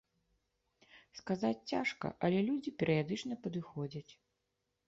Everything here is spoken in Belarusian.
Сказаць цяжка, але людзі перыядычна падыходзяць.